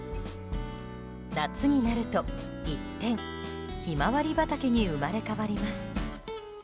夏になると、一転ヒマワリ畑に生まれ変わります。